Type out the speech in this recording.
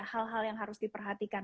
hal hal yang harus diperhatikan